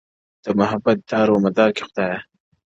د محبت دار و مدار کي خدايه ،